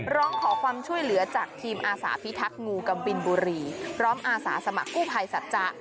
ร้องขอความช่วยเหลือจากทีมอาสาพิทักษ์งูกำบินบุรีพร้อมอาสาสมัครกู้ภัยสัจจะ